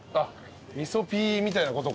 味噌ピーみたいなことか。